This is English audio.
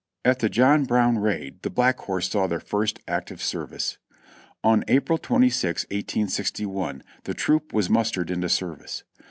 At the John Brown raid the Black Horse saw their first active service. On April 26th, 186 1, the troop was mustered into service.